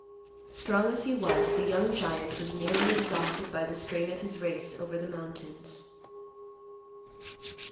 Strong as he was, the young giant was nearly exhausted by the strain of his race over the mountains.